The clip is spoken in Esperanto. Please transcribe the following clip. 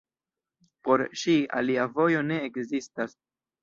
Por ŝi alia vojo ne ekzistas.